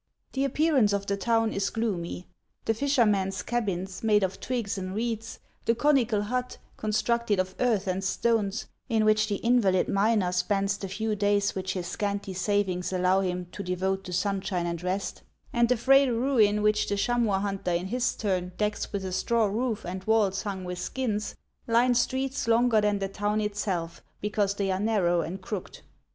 The appearance of the town is gloomy ; the fishermen's cabins, made of twigs and reeds, the conical hut, constructed of earth and stones, in which the invalid miner spends the few days which his scanty savings allow him to devote to sunshine and rest, and the frail ruin which the chamois hunter in his turn decks with a straw roof and walls hung with skins, line streets longer than the town itself, because they are narrow and crooked.